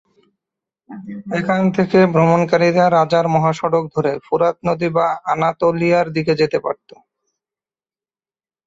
এখান থেকে ভ্রমণকারীরা রাজার মহাসড়ক ধরে ফোরাত নদী বা আনাতোলিয়ার দিকে যেতে পারতো।